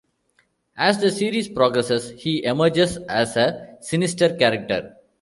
As the series progresses he emerges as a sinister character.